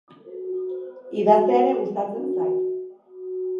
Idaztea ere gustatzen zait.